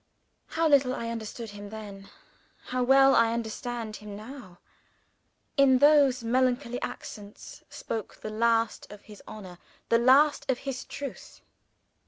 How little I understood him then! how well I understand him now! In those melancholy accents, spoke the last of his honor, the last of his truth.